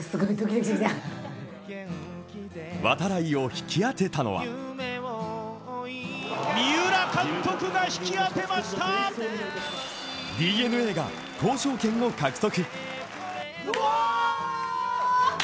度会を引き当てたのはＤｅＮＡが交渉権を獲得。